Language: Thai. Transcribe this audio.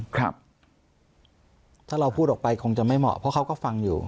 ถ้าเราพูดออกไปคงจะไม่เหมาะเพราะเขาก็ฟังอยู่